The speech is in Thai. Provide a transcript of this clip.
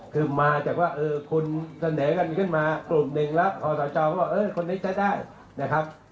คือมาจากว่าเออคุณเสน่ห์กันมากลุ่มหนึ่งแล้วพศเขาบอกว่าเออคนนี้ใช้ได้นะครับ